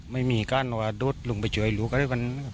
ไม่มีการลูกมาจ่วยลูกอะไรกว่านั้น